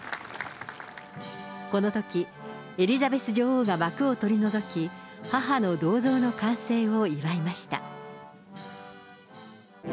このとき、エリザベス女王が幕を取り除き母の銅像の完成を祝いました。